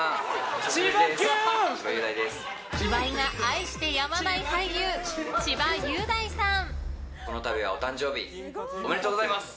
岩井が愛してやまない俳優千葉雄大さん。